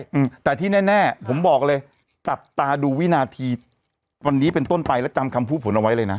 อืมแต่ที่แน่แน่ผมบอกเลยจับตาดูวินาทีวันนี้เป็นต้นไปแล้วจำคำพูดผลเอาไว้เลยนะ